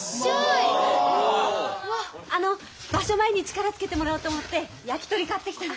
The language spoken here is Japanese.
あの場所前に力つけてもらおうと思って焼き鳥買ってきたの。